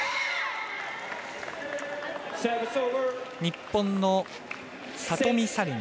日本の里見紗李奈。